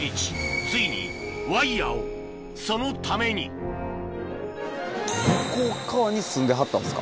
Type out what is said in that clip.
ついにワイヤをそのために向こうっ側に住んではったんですか？